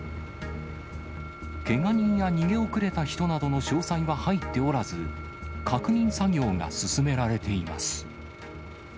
けが人や逃げ遅れた人などの詳細は入っておらず、確認作業が進め